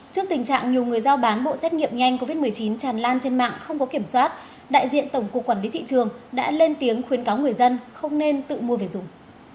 trước tình trạng nhiều người giao bán bộ xét nghiệm nhanh covid một mươi chín tràn lan trên mạng không có kiểm soát đại diện tổng cục quản lý thị trường đã lên tiếng khuyến cáo người dân không nên tự mua về dùng